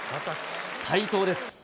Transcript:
斉藤です。